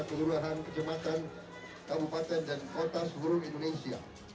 kelurahan kecematan kabupaten dan kota seluruh indonesia